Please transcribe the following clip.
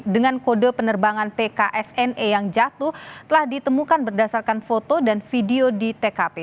dengan kode penerbangan pksne yang jatuh telah ditemukan berdasarkan foto dan video di tkp